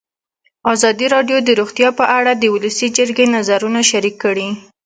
ازادي راډیو د روغتیا په اړه د ولسي جرګې نظرونه شریک کړي.